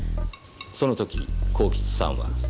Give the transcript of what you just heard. そのとき幸吉さんは？